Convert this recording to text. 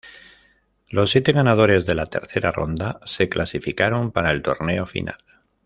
Los siete ganadores de la tercera ronda se clasificaron para el torneo final.